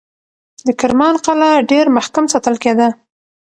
د کرمان قلعه ډېر محکم ساتل کېده.